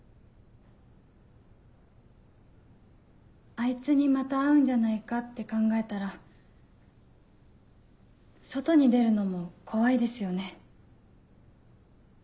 ・あいつにまた会うんじゃないかって考えたら外に出るのも怖いですよね。